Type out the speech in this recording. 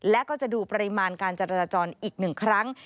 และก็จะดูปริมาณการจราจรอีก๑ครั้ง